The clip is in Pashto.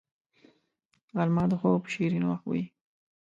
غرمه د خوب شیرین وخت وي